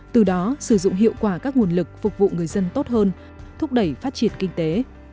từ đó sử dụng hiệu quả các nguồn lực phục vụ người dân tốt hơn thúc đẩy phát triển kinh tế